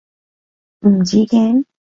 唔知驚？